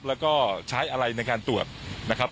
แล้วก็ใช้อะไรในการตรวจนะครับ